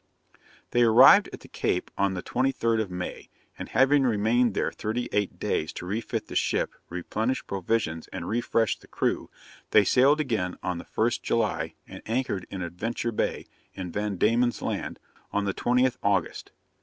They arrived at the Cape on the 23rd of May, and having remained there thirty eight days to refit the ship, replenish provisions, and refresh the crew, they sailed again on the 1st July, and anchored in Adventure Bay, in Van Diemen's Land, on the 20th August.